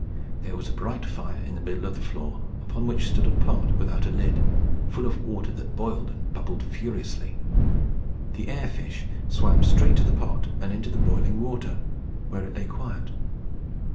There was a bright fire in the middle of the floor, upon which stood a pot without a lid, full of water that boiled and bubbled furiously. The air fish swam straight to the pot and into the boiling water, where it lay quiet.